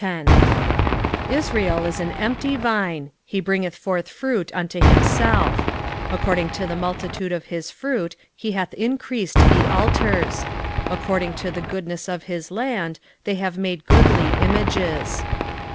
10:1 Israel is an empty vine, he bringeth forth fruit unto himself: according to the multitude of his fruit he hath increased the altars; according to the goodness of his land they have made goodly images.